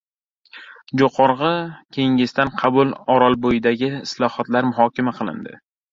Jo‘qorg‘i Kengesda qabul: Orolbo‘yidagi islohotlar muhokama qilindi